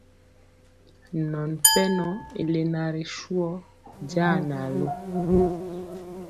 Nɔn pɛnɔ i lena ri suhɔ jaa na lu.